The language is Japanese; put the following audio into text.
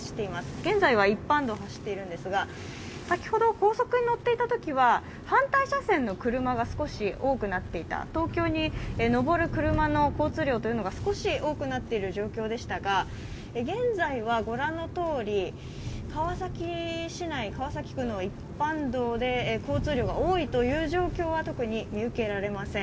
現在は一般道を走っているんですが、先ほど高速に乗っていたときは、反対車線の車が少し多くなっていた、東京に上る車の交通量が少し多くなっている状況でしたが現在は川崎市内、川崎区の一般道で交通量が多いという状況は特に見受けられません。